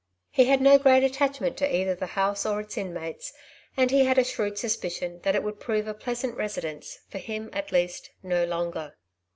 He had no great attachment to either the house or its inmates, and he had a shrewd suspicion that it would prove a pleasant residence, for him at least, no longer.